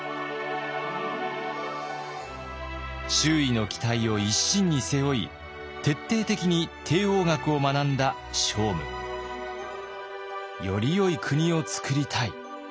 周囲の期待を一身に背負い徹底的に帝王学を学んだ聖武。よりよい国をつくりたい。